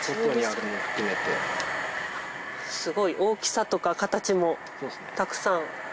すごい大きさとか形もたくさん。